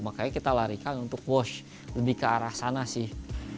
makanya kita larikan untuk wash lebih ke arah sana sih